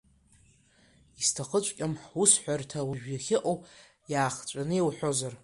Исҭахыҵәҟьам ҳусҳәарҭа уажә иахьыҟоу, иаахҵәаны иуҳәозар…